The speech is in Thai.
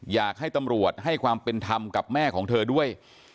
อยากให้ตำรวจให้ความเป็นธรรมกับแม่ของเธอด้วย